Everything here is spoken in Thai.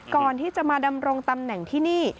ก่อนที่จะมาดำรงตำแหน่งที่นี่